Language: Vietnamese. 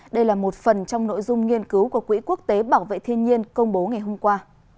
đây là một phần trong nội dung nghiên cứu của quỹ quốc tế bảo vệ thiên nhiên công bố ngày hôm qua